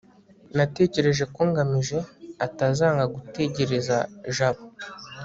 natekereje ko ngamije atazanga gutegereza jabo